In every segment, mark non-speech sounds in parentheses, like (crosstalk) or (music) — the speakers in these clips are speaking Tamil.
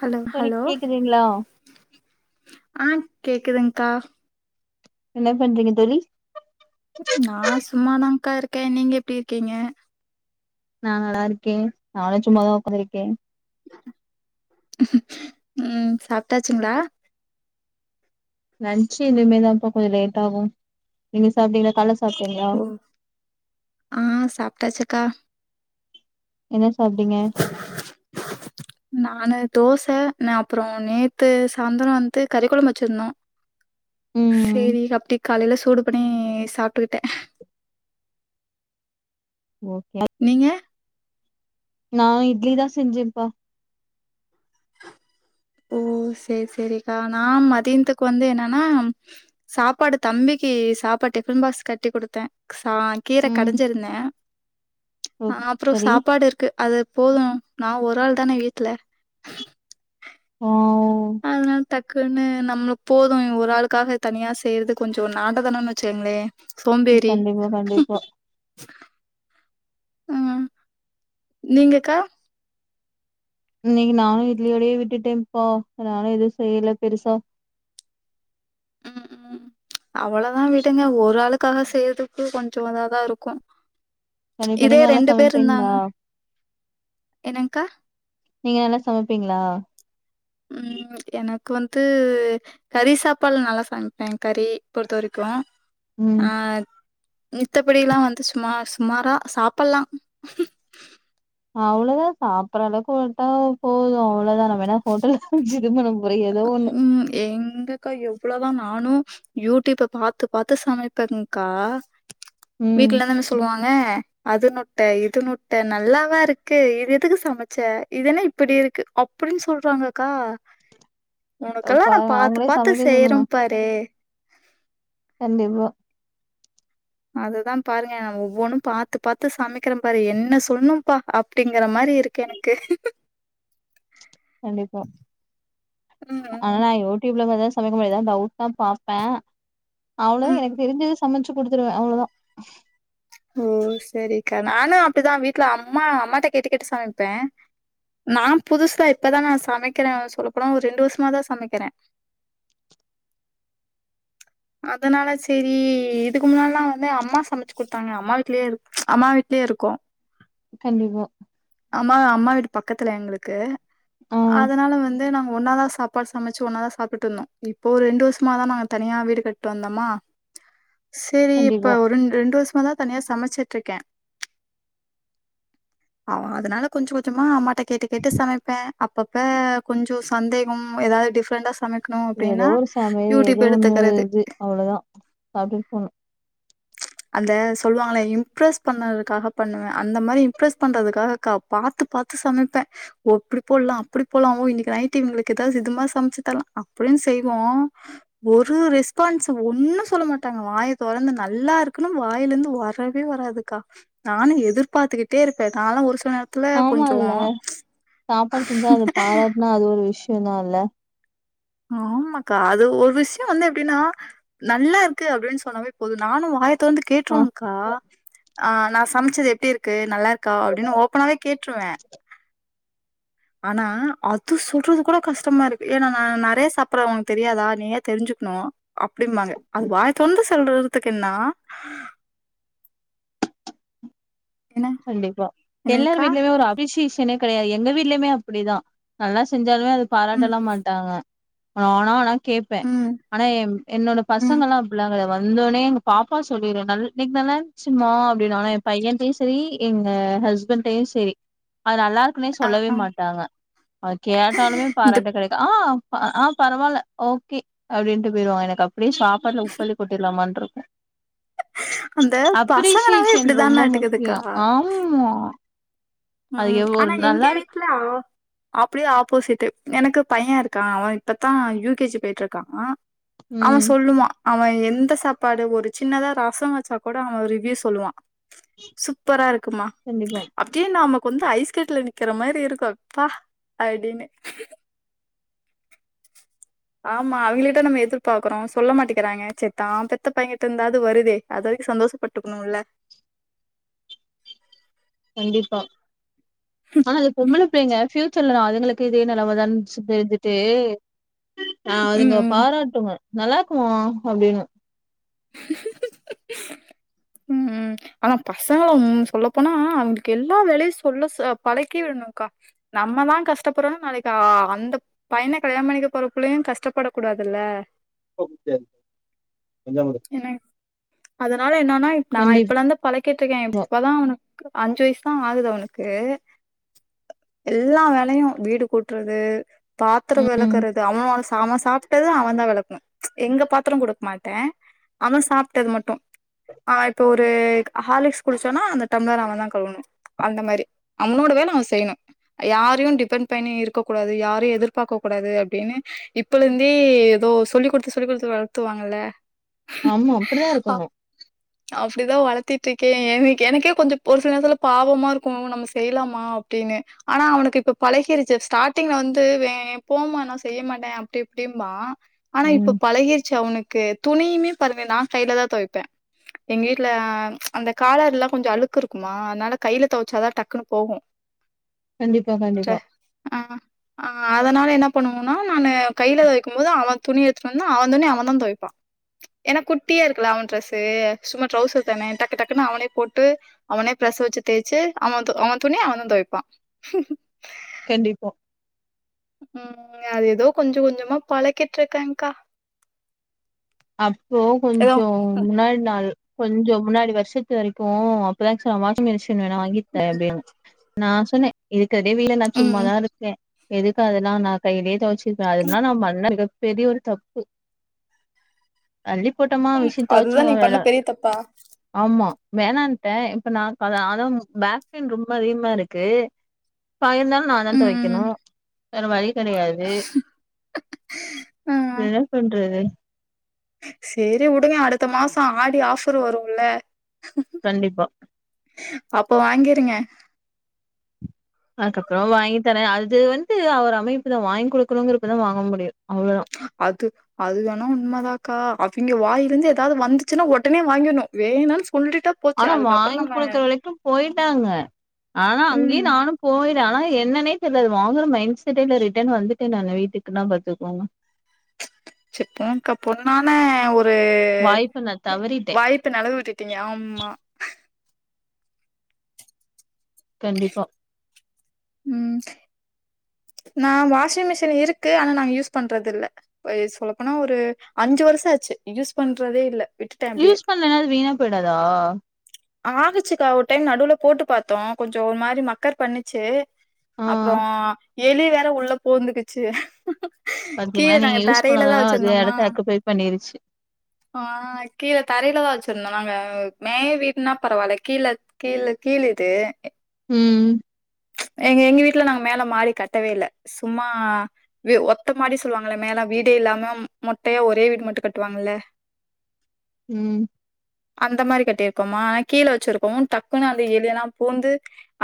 ஹலோ சொரி ஹலோ கேக்குதுீங்களா கேக்குதுங்கா என்ன பண்றீங்க தோழி நா சும்மாதாங்கா இருக்கே நீங்க எப்டி இருக்கீங்க நானு நல்லா இருக்கேன் நானு சும்மாதா உக்காந்துருக்கே ம் சாப்ட்டாச்சுங்ளா லன்ச்சு இனிமே தா இப்ப கொஞ்சோ லேட் ஆகும் நீங்க சாப்ட்டீங்களா கால்ல ஸ் ஓ ஆ சாப்ட்டாச்சு அக்கா என்ன சாப்டீங்க நானு தோச ந அப்புறோ நேத்து சாந்துரோ வந்து கறிக்குளம்பு வெச்சிருந்தோ ம் சேரி அப்டி காலையில சூடுப் ப்புனேஸ் சாப்ட்டுக்குட்டே ஓகே நா இட்லி தா செஞ்சேம்ப்பா ஓ சேர் சேரிக்கா நா மதியன்த்துக்கு வந்து என்னன்னா சாப்பாடு தம்பிக்கி சாப்பாட் டிஃபன் பாக்ஸ் கட்டி குடுத்தே தா கீர ம் கடைஞ்சிருந்தே ஓ ஆ அப்புறோ சரி சாப்பாடு இருக்கு அது போதும் நா ஒரு ஆள் தான வீட்ல ஆ ஓ அதனால் டக்குன்னு நம்மளுக் போதும் இவ் ஒரு ஆளுக்காக தனியா செய்யிறது கொஞ்சோ (unintelligible) வெச்சங்ளே கண்டிப்பா கண்டிப்பா ஆ, நீங்கக்கா இன்னைக்கு நானு இட்லியோடயே விட்டுட்டேப்பா, நானு எதுவு செய்யல பெருசா ம், ம் அவ்வளதா விடுங்க ஒரு ஆளுக்காக செய்யறதுக்கு கொஞ்சோ அதாதா இருக்கு. கண்டிப்பா, இதே நீங்க நல்லா ரெண்டு பேர் சமைப்பீங்ளா? இருந்தாங்க என்னங்க்கா நீங்க நல்லா சமைப்பீங்ளா? க்கு வந்து கறி சாப்பாடுலா நல்லா சாமைப்பே, கறி பொறுத்த வரைக்கு ம் ஆ மித்தபடிலா வந்து சுமா சுமாரா சாப்புட்லா. அவ்ளோதா சாப்பிட்றளவுக்கு வந்ட்டா போது அவ்ளோதா நம்ம என்ன ஹோட்டலா வச்சி ம்ப நம் ம் எங்கக்கா எவ் ளோதா நானு யூடியூப்ப பாத்து பாத்து சமைப்பேங்க்கா ம் வீட்லலா என்ன சொல்லுவாங்க அது நொ ட்ட இது நொட்ட நல்லாவா இருக்கு இது எதுக்கு சமைச்ச இது என்ன இப்டி இருக்கு அப்டின்னு சொல்றாங்கக்கா உனக்கெல்லா நா பாருங்க பாத்து அவங்களே பாத்து சமைக்க செய்யறே சொல்லுங்க பாரு கண்டிப்பா அதுதான் பாருங்க ந ஒவ்வொன்னும் பாாரத்து பாாரத்து சமைக்கிறேன் பாரு என்ன சொல்லும்ப்பா அப்படிங்கிற மாதிரி இருக்கன் எனக்கு கண்டிப்பா ம் ஆனா ம் நான் யூடியூப்ல வதான் சமைக்க முடியதான் டவுட் தான் பாார்பேன் அவ்வளோதான் ம் எனக்கு தெரிஞ்சது சமைச்சு குடுத்துருவேன் அவ்வளவுதான் ஓ சரிக்கா நானும் அப்படிதான் வீட்டுல அம்மா அம்மாட்ட கேட்டு கேட்டு சமைப்பேன் நான் புதுசுதான் இப்பதான் நான் சமைக்கிறேன் சொல்லப்பபோன ஒரு ரெண்டு வருசமாதான் சமைக்கிறேன் அதனால சரி இதுக்கு முன்னாலல்லாம் வந்து அம்மா சமைச்சு குடுத்தாங்க அம்மா வீட்லயே அம்மா வீட்லயே இருக்கும் கண்டிப்பா அம்மா அம்மா வீட்டு பக்கத்துல எங்களுக்கு ஆ அதனால வந்து நம்ம ஒன்னாதான் சாப்பாடு சமைச்சு ஒன்னாதான் சாப்பிட்டு இருந்தோம் இப்போ ஒரு ரெண்டு வருசமாதான் நாங்க தனியா வீடு கட்டுட்டு வந்தோம்மா சரி இப்ப கண்டிப்பா ஒரு ரெண்டு வருசம் தான் தனியா சமைச்சட்டு இருக்கேன் ஆ அதனால கொஞ்சம் கொஞ்சமா அம்மாட்ட கேட்டு கேட்டு சமைப்பேன் அப்பப்ப கொஞ்சம் சந்தேகம் ஏதாவது டிஃப்ரெண்டா சமை ஏதோ ஒரு சமையல் ஏதோ ஒண்ணு இது அவ்வளவுதான் சாப்பிட்டுட்டு போனும் அந்த சொல்லுவாங்கள இம்ப்ரெஸ் பண்ணறதுக்காக பண்ணுவேன் அந்த மாதிரி இம்ப்ரஸ் பண்றதுக்காக பா பா்த்த சமைப்பேன் எப்படி போடலாம் அப்படி போலாமோ இன்னைக்கு நைடவங்களுக்கு ஏதாவதுமா சமைச்சு தரலாம் அப்படின்னு செய்வோம் ஒரு ரெஸ்பான்ஸ் ஒன்னும் சொல்ல மாட்டாங்க வாய தறந்து நல்லா இருக்குும் வாயில இருந்து வரவே வராதுக்கா நானும் எதிர்பார்த்துக்கிட்டே இருக்கேன் னாலும் ஒரு (inaudible) ஆமா இல்ல சாப்பாடு செஞ்சா அது பாராட்டுனா அது ஒரு விஷய தான் இல்ல ஆமாக்கா அது ஒரு விஷயம் வந்து எப்படின்னா நல்லா இருக்கு அப்படின்னு சொன்னாவே போதும் நானும் காய அங்க வந்து ஆ கேட்டுருவங்க்கா ஆஹ் நான் சமைச்சது எப்படி இருக்கு நல்லா இருக்கு (inaudible) க்கா (unintelligible) அப்படின்னு ஓபனாவே கேட்டுருவேன் ஆனா அது சொல்றது கூட கஷ்டமா இருக்கு ஏன்னா நான் நிறைய சாப்பிடுறேன் உனக்கு தெரியாதா நீ ஏ தெரிஞ்சுக்கணும் அப்படிம்பாங்க அது வாய் தந்து செல்றதுக்கு என்னா என்ன கண்டிப்பா எல்லாரு என்னங்க்கா வீட்டுலையிம் ஒரு அபிசேஷம் (unintelligible) ே (unintelligible) கிடையாது எங்க வீட்டுலயுமே அப்படிதான் நல்லா செஞ்ச இருந்தாலுமே அதது ம் பாராட்டலாம் மாட்டாங்க ஆன ஆன ஆன (inaudible) கேட்பேன் ம் ஆனா என் என்னோட ம் பசங்கல்லாம் அப்பிள்ளாங்க (inaudible) வந்தோனே எங்க பாப்பா சொல்லிடும் இன்ன்னைக்கு நல்லாந்துச்சுமா அப்படின்னுனா என் பையன் (inaudible) சரி எங்க ஹஸ்பண்டையும் சரி அது நல்லா இருக்குனே ஆ சொல்லவே ஆ மாட்டாங்க அது கேட்டாலுமே இந்த பாராட்டு கிடைக்கும் ஆஹ் ஆஹ பரவாயில்ல ஓகே அப்படின்னுட்டு போயிடுவாங்க எனக்கு அப்படி சாப்பாடுல உப்பல்லி கொட்டிடலாமான்னு இருக்கும் அந்த பசங்கனாவ ரொம்ப இப்படிதானருக்கு முக்கியோ ஆமா அது உம் எவ் ஒரு ஆனா எங்க நல்லா இருக்கு வீட்ல அப்டியே ஆப்போஷிட்டு எனக்கு பையன் இருக்கான் அவன் இப்பத்தான் யூ கே ஜி போயிட்டு இருக்கான் ம் அவன் சொல்லுவா அவன் எந்த சாப்பாடு ஒரு சின்னதா ரசம் வச்சா கூட அவன் ரிவ்யூ சொல்லுவான் சூப்பரா இருக்குமா கண்டிப்பா அப்டியே நாம கொஞ்சம் ஐஸ் கட்டில நிக்கிற மாரி இருக்கும் அப்பா அப்டின்னு ஆமா அவைங்கள்ட்ட நம்ம எதிர்பாக்குறோம் சொல்ல மாட்டிக்கிறாங்க சேர் தான் பெத்த பையங்கிட்டு இருந்தாவது வருதே அது வரைக்கும் சந்தோஷப்பட்டுக்கணும்ல கண்டிப்பா ஆனா இது பொம்பளபிள்ளைங்க ஃப்யூ சர்ல அதுங்களுக்கு இதே நெலமைதான் சு தெரிஞ்சுட்டு ஆஹ் ம், அதுங்க ம். பாராட்டுங்க நல்லாருக்குமா அப்டின்னு (inaudible) உம் ஆனா பசங்கள ம் சொல்லப்போனா அவங்களுக்கு எல்லா வேலையும் சொல்ல ச பழக்கி விடணும்க்கா நம்மதான் கஷ்டப்படுறோம்னா நாளைக்கி அந்த பையன கல்யாணம் பண்ணிக்க போறப்புள்ளயும் கஷ்டப்பட கூடாதுல்ல ஓகே (unintelligible) என்ன அதனால என்னான்னா நான் இப்பலாந்தான் பழக்கிட்ருக்கேன் இப்பதான் அவனுக் அஞ்சு வயசு தான் ஆகுது அவனுக்கு எல்லா வேலையும் வீடு கூட்றது பாத்ரம் ம். விளக்கறது அவன் (unintelligible) அவன் சாப்ட்டத அவன் தான் வெளக்கணும் ச் எங்க பாத்தரம் குடுக்க மாட்டே அவன் சாப்ட்டது மட்டும் ஆஹ் இப்போ ஒரு ஹார்லிக்ஸ் குடிச்சன்னா அந்த டம்ளர அவன் தான் கழுவணும் அந்த மாரி அவனோட வேலை அவன் செய்யணும் யாரையும் டிபெண்ட் பண்ணி இருக்க கூடாது யாரையும் எதிர்பார்க்க கூடாது அப்டின்னு இப்பல இருந்தே ஏதோ சொல்லிக் குடுத்து சொல்லி் குடுத்து வளத்துவாங்கல்ல ஆமா அப்டிதா இருக்கணும் அப்டிதான் வளத்திட்டிருக்கேன் என் எனக்கே கொஞ்சம் ஒரு சில நேரத்துல பாவமா இருக்கும் நம்ம செய்யலாமா அப்டின்னு ஆனா அவனுக்கு இப்ப பழகிருச்சு ஸ்டார்ட்டிங்ல வந்து வே போமா நா செய்ய மாட்டேன் அப்டி இப்டிம்பா ஆனா ம். இப்ப பழகிற்ச்சு அவனுக்கு கு துணியுமே பாருமே நான் கையில தான் துவைப்பேன் எங்க வீட்ல ச் அந்த காலர்ல்லாம் கொஞ்சம் அழுக்கு இருக்குமா அதுனால கைல துவச்சாதான் டக்குன்னு போகும் கண்டிப்பா ச்ச கண்டிப்பா ஆஹ் ஆஹ் அத னால என்ன பண்ணுவோனா நானு கைல தொவைக்கும் போது அவன் துணி எடுத்துட்டு வந்து அவன் துணி அவன் தான் தொவப்பான் ஏன்னா குட்டியா இருக்கல அவன் டிரரெஸ்ஸு சும்மா ட்ரவுசர் தானே டக்கு டக்குன்னு அவனே போட்டு அவனே பிரஷ வச்சு தேச்சு அவன் அவன் துணிய அவன்தான் தொவைப்பான் கண்டிப்பா உம் அது ஏதோ கொஞ்சம் கொஞ்சமா பழக்கிட்டு இருக்கேக்கா அப்போ கொஞ்சம் முன்னாடி நாள் கொஞ்சம் முன்னாடி வருஷத்து வரைக்கும் அப்பதான் (unintelligible) வாஷிங் மிஷி மிஷின வாங்கிட்டே எப்டியு நான் சொன்னே இது கடைவில நான் ம் சும்மாதான் இருப்பே எதுக்கு அதெல்லாம் நான் கையிலேயே துவச்சுக்குவ அதனா நா மண்ண பெரியொரு தப்பு தள்ளி போட்டோமா மிஷின் அதுதான் துவைச்சோமா நீங்க பண்ண வேலை பெரிய தப்பா ஆமா வேணனுட்டேன் இப்ப நான் அத அதான் பேக் பெயின் ரொம்ப அதிகமா இருக்கு பயர்ந்தாலும் நான் தான் ம் துவைக்கணும் தரவ கிடையாது என்ன பண்றது சரி உடுங்க அடுத்த மாசம் ஆடி ஆஃபர் வரும்ல கண்டிப்பா அப்போ வாங்கிருங்க அதுக்கப்புறம் வாங்கி தரேன் அது வந்து அவர் அமைப்புதான் வாங்கி் கொடுக்கணுங்கிறப்பதான் வாங்க முடியும் அவ்வளோதான். அது அது வேணா உண்மைதாக்கா இங்க வாய்ல இந்து ஏதாது வந்துச்சுனா ஒடனே வாங்கிணு வேணா ஆனா வாங்கி் குடுக்கற வரைக்கு போய்ட்டாங்க ஆனா அங்கயு ம் நானும் போய் ஆனா என்னனே தெர்ல அது வாங்குற மைண்ட் செட்டே இல்ல ரிட்டர் வந்துட்ட நானு வீட்டுக்கு நா பாத்துக்கோங்க சப்ப்க (unintelligible) பொண்ணானே ஒரு வாய்ப்ப நான் ஒரு தவறிட்டேன். வாய்ப்ப நழுவ விட்டுட்டீங்க ஆமா கண்டிப்பா ம் நா வாஷிங் மிஷின் இருக்கு ஆனா நாங்க யூஸ் பண்றதுல்ல சொல்லப்போனா ஒரு அஞ்சு வருஷோ ஆச்சு யூஸ் பண்றதே இல்ல விட்டுட்டே அப்டியே யூஸ் பண்ணலனா அது வீணா போய்டாதா ஆகுச்சுக்கா ஒரு டைம் நடுவுல போட்டு பாத்தோ கொஞ்சோ ஒரு மாரி மக்கர் பண்ணிச்சு ஆ அப்றோ எலி வேற உள்ள பூந்துக்குச்சு கீழ பாத்தீங்களா? நீங்க நாங்க யூஸ் தரையில தா பண்ணதால அது வச்சிருந்தோமா இடத்த ஆக்குபை பண்ணிருச்சு. ஆ கீழ தரையில தா வச்சி (unintelligible) நாங்க மே வீடுனா பரவால்ல கீழ கீழ் கீழ் இது ம் எங்க எங்க வீட்டல நாங்க மேல மாடி கட்டவே இல்ல சும்மா ஒத்த மாடி சொல்வாங்கள்ல மேல வீடே இல்லாம மொட்டையா ஒரே வீடு மட்டும் கட்டுவாங்கல்ல ம் அந்த மாரி கட்டிருக் பாமா ஆனா கீழ வச்சிருக்ககோ டக்குனு அந்த எலி எல்லா பூந்து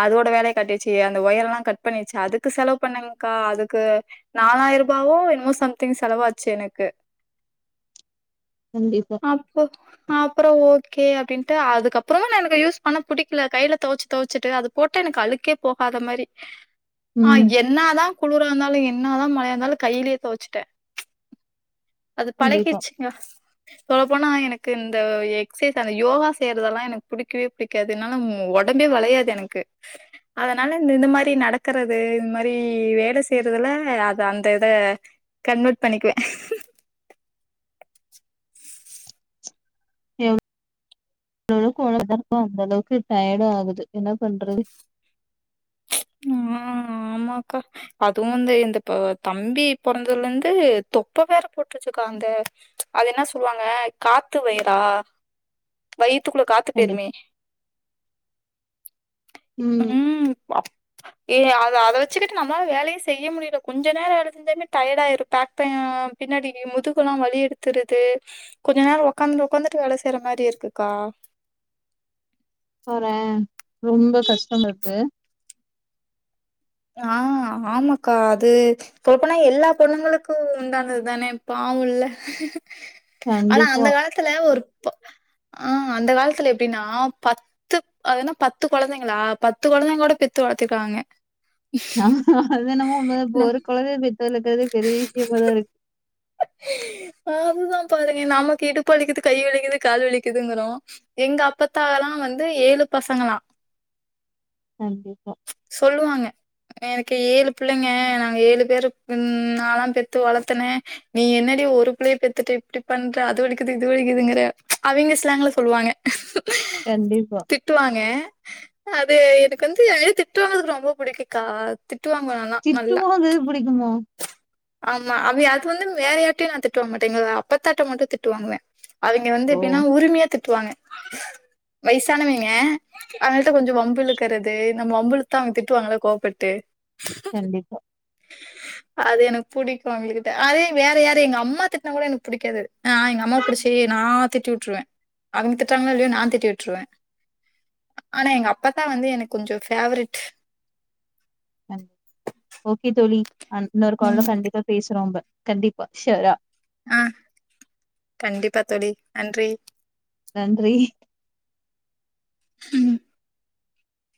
அதோட வேலய காட்டிச்சு தி அந்த ஒயர்லா கட் பண்ணிச்சு அதுக்கு செலவு பண்ணங்க்கா அதுக்கு நாலாயிரூபாவோ எனமோ சம்திங் செலவா ஆச்சு எனக்கு கண்டிப்பா அப்போ அப்றோ ஓ கே அப்டின்ட்டு அதுக்கப்புறமு நா எனக்கு யூஸ் பண்ண பிடிக்கல கைல துவச்சு துவச்சிட்டு அது போட்டு எனக்கு அழுக்கே போகாத மாரி ஆ ம் என்னாதா குளிர இருந்தாலு என்னாதா ந இருந்தானலு கைலே தொவச்சுட்ட அது கண்டிப்பா பழகிச்சுங்க சொல்ல போனா எனக் எனக்கு இந்த எக்சைஸ் அந்த யோகா செய்யறதெல்லா எனக்கு புடிக்கவே புடிக்காது என்னால ஒடம்பே வளையாது எனக்கு அதனால இந்த இந்த மாரி நடக்கறது இந்த மாரி வேல செய்றதெவ்லா அது அந்த இத கண்வட் பண்ணிக்குவ எ (unintelligible) அந்த அளவுக்கு டயர்டு ஆகுது என்ன பண்றது ஆ ஆமாக்கா அதுவு வந்து இந்த தம்பி பொறந்ததுல இருந்து தொப்ப வற போட்ருச்சுக்கா அந்த அது என்ன சொல்லுவாங்க காத்து வயிறா வை யித்துக்குள்ள காத்து கண்டிப் பேருமே ம் ஏ அத அத வச்சுக்கிட்டு நம்மளால வேலயே செய்ய முடில கொஞ்சோ நரோ வேல செஞ்சாலுமே டயர்ட் ஆயிரு பக் பேன் ஆ பின்னாடி முதுகெல்லா வழி எடுத்துருது கொஞ்ச நேரோ உக்காந்துட்டு உக்காந்துட்டு வேல செய்ற மாரி இருக்குக்கா பாற ரொம்ப கஷ்டம் இருக்கு ஆ ஆமாக்கா அது ஓப்பனா எல்லா பொண்ணுங்களுக்கு உண்டானதுதான பாவுல்ல ஆனா அந்த கண்டிப்பா காலத்துல ஒரு ஆ ‌அந்த காலத்துல எப்டினா பத்து அதுனா பத்து கொழந்தைங்களா பத்து கொழந்தைங்கோட பெத்து வளத்திகாங்க நம்ம அது என்னமோ உண்ம தா இப்போ ஒரு கொழந்நயே பெத்து வள அது பெரிய விஷயமா தான் இருக்கு ஹூக் ஹ அதுதான் பாருங்க நமக்கு இடுப்புலிக்குது கை விலிக்குது கால் வலிக்குதுங்கிறோம் எங்க அப்பத்தால்லாம் வந்து ஏழு பசங்களாம் கண்டிப்பா சொல்லுவாங்க. எனக்கு ஏழு பிள்ளைங்க நாங்க ஏழு பேரு உ நல்லாம் பெத்து வளர்த்தனேன் நீ என்னாடி ஒரு பிள்ளைையை பெத்துட்டு இப்படி பண்ற அது வலிக்குது இது வலிக்குதுங்கற அவங்க ஸ்லாங்கள சொல்லுவாங்க ஹூ கண்டிப்பா திட்டுவாங்க அது எனக்கு வந்து என் திட்டுவங்கதுக்கு ரொம்ப புடிக்கும்க்கா வாங்குவேன் நான்லாம். நல்லா சிறட்டுறு போகம் எது பிடிக்குமோ ஆமா அவ அது வந்து வேற யார்கிடயையும் நான் தட்டுவாங்க மாட்டேன்ங்க அப்பத்தாட்டை மட்டும் திட்டுவாங்குவேன் அவங்க வந்து ஓ எப்படின்னா உரிமையா திட்டுவாங்க வயசானவங்க அவங்கள்ட்ட கொஞ்சம் வம்புழுக்கிறது நம்ம வம்புல தான் அவங்க திட்டுவாங்கள கோவப்பட்டு கண்டிப்பா அது எனக்கு பிடிக்கும் அவங்ககிட்ட அதே வேற யாரும் எங்க அம்மா திட்டினா கூட எனக்கு பிடிக்காதுது ஆஹ் எங்க அம்மா புிடிச்சி நான் திட்டி விட்டுருவேன் அங்க திட்டுறாங்களோ இல்லையோ நான் திட்டி விட்டுருவேன் ஆனா எங்க அப்பாதான் வந்து எனக்கு கொஞ்சம் ஃப்பேவரட் ஓகே தோழி அடுத் இன்னொரு காலல ம் கண்டிப்பா பேசுறோம்ப கண்டிப்பா ஷோரா ஆஹ் கண்டிப்பா தழி நன்றி நன்றி உம்